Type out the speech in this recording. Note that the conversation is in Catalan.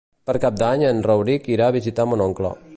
Per Cap d'Any en Rauric irà a visitar mon oncle.